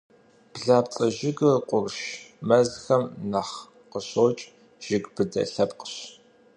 Блапцӏэ жыгыр къурш мэзхэм нэхъ къыщокӏ, жыг быдэ лъэпкъщ.